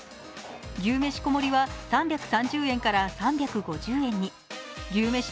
牛めし小盛は３３０円から３５０円に牛めし